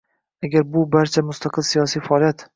agar bu barcha mustaqil siyosiy faoliyat